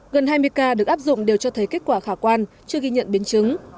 gần hai mươi ca được áp dụng đều cho thấy kết quả khả quan chưa ghi nhận biến chứng